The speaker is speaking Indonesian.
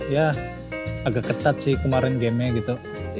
ya agak ketat sih kemarin gamenya gitu